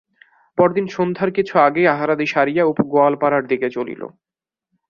পরদিন সন্ধ্যার কিছু আগে আহারাদি সারিয়া অপু গোয়ালাপাড়ার দিকে চলিল।